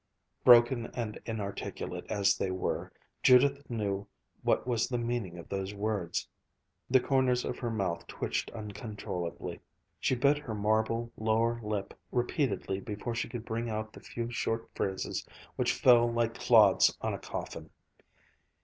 Broken and inarticulate as they were, Judith knew what was the meaning of those words. The corners of her mouth twitched uncontrollably. She bit her marble lower lip repeatedly before she could bring out the few short phrases which fell like clods on a coffin.